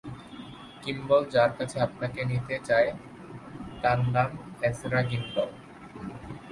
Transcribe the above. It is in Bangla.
কিম্বল যার কাছে আপনাকে নিতে চায়, তার নাম এজরা গ্রিন্ডল।